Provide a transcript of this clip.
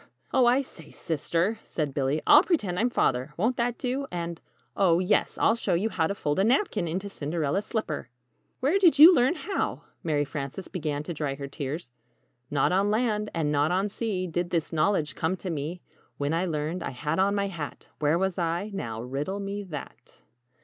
"Oh, I say, Sister," said Billy; "I'll pretend I'm Father won't that do? And oh, yes! I'll show you how to fold a napkin into 'Cinderella's slipper!'" "Where did you learn how?" Mary Frances began to dry her tears. "Not on land, and not on sea Did this knowledge come to me. When I learned, I had on my hat Where was I? Now, riddle me that?